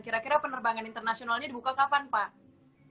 kira kira penerbangan internasionalnya dibuka kapan pak